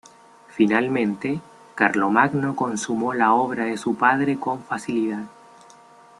Finalmente, Carlomagno consumó la obra de su padre con facilidad.